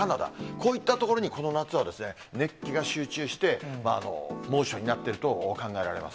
こういった所にこの夏は、熱気が集中して、猛暑になっていると考えられます。